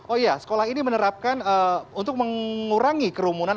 oh iya sekolah ini menerapkan untuk mengurangi kerumunan